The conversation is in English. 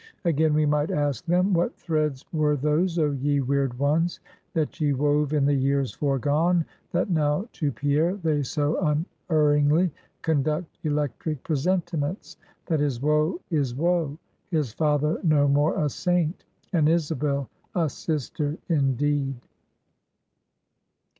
Again we might ask them, What threads were those, oh, ye Weird Ones, that ye wove in the years foregone; that now to Pierre, they so unerringly conduct electric presentiments, that his woe is woe, his father no more a saint, and Isabel a sister indeed?